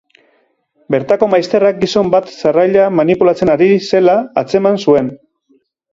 Bertako maizterrak gizon bat sarraila manipulatzen ari zela antzeman zuen.